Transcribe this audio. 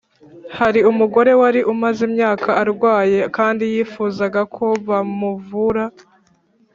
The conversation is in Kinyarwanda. Hari umugore wari umaze imyaka arwaye kandi yifuzaga ko bamuvura